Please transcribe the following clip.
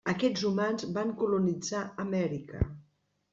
Aquests humans van colonitzar Amèrica.